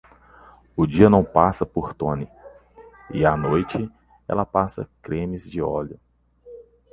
O dia não passa por Toni, e à noite ela passa cremes de óleo.